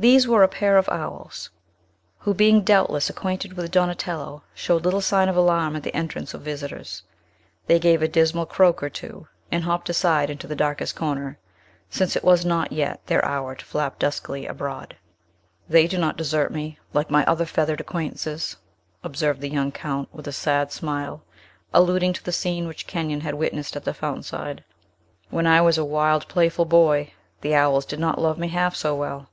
These were a pair of owls, who, being doubtless acquainted with Donatello, showed little sign of alarm at the entrance of visitors. They gave a dismal croak or two, and hopped aside into the darkest corner, since it was not yet their hour to flap duskily abroad. "They do not desert me, like my other feathered acquaintances," observed the young Count, with a sad smile, alluding to the scene which Kenyon had witnessed at the fountain side. "When I was a wild, playful boy, the owls did not love me half so well."